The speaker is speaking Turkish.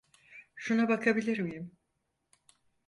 Şuna bakabilir miyim?